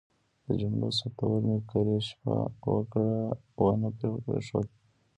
د جملو ثبتول مې کرۍ شپه ونه پرېښود.